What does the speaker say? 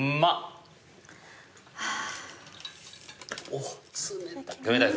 おっ冷た。